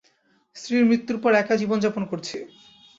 স্ত্রীর মৃত্যুর পর একা জীবন- যাপন করছি।